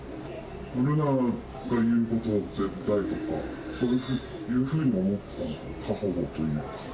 瑠奈が言うことが絶対とかそういうふうに思った、過保護というか。